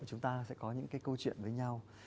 chúng ta sẽ có những câu chuyện với nhau